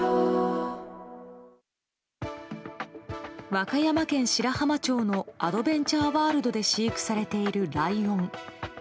和歌山県白浜町のアドベンチャーワールドで飼育されているライオン。